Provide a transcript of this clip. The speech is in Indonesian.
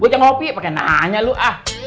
gue jangan ngopi pakai nahannya lo ah